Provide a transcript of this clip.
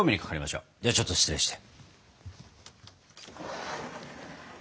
ではちょっと失礼して。